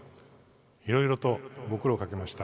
いろいろとご苦労をかけました。